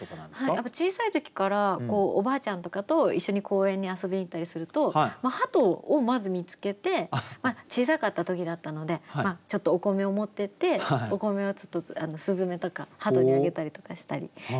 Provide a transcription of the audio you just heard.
やっぱり小さい時からおばあちゃんとかと一緒に公園に遊びに行ったりするとハトをまず見つけて小さかった時だったのでちょっとお米を持ってってお米をちょっとスズメとかハトにあげたりとかしたりしてましたね。